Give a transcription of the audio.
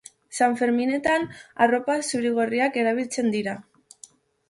Sanferminetan arropa zuri-gorriak erabiltzen dira.